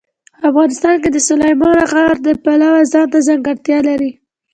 افغانستان د سلیمان غر د پلوه ځانته ځانګړتیا لري.